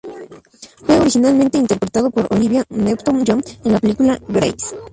Fue originalmente interpretado por Olivia Newton-John en la película "Grease".